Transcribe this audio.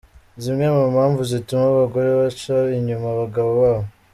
Zimwe mu mpamvu zituma abagore baca inyuma abagabo babo